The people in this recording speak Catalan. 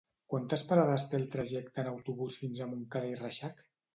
Quantes parades té el trajecte en autobús fins a Montcada i Reixac?